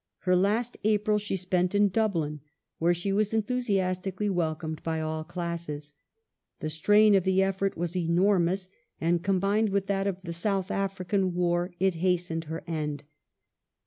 Her last April she spent in Dublin, where she was enthusiastically welcomed by all classes. The strain of the effort was enormous, and combined with that of the South African war it hastened her end.